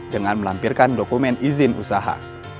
dengan melampirkan dokumen izin usaha